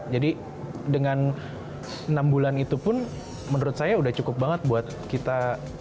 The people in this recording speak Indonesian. jadi dengan enam bulan itu pun menurut saya udah cukup banget buat kita